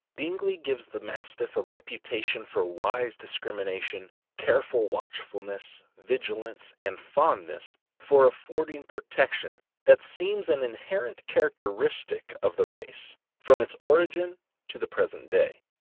Bingley gives the Mastiff a reputation for wise discrimination, careful watchfulness, vigilance, and fondness for affording pro tection, that seems an inherent characteristic of the race from its origin to the present day.